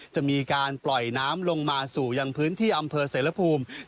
จะมีการปล่อยน้ำลงมาสู่ยังพื้นที่อำเภอเสรภูมิ